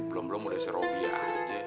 belum belum udah serobi aja